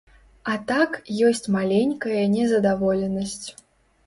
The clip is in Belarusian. А так ёсць маленькае незадаволенасць.